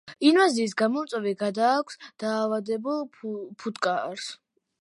ინვაზიის გამომწვევი გადააქვს დაავადებულ ფუტკარს.